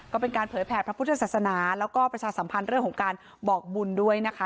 ก็เป็นการเผยแผ่พระพุทธศาสนาแล้วก็ประชาสัมพันธ์เรื่องของการบอกบุญด้วยนะคะ